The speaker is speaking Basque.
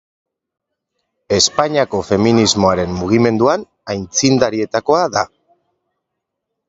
Espainiako feminismoaren mugimenduan aitzindarietakoa da.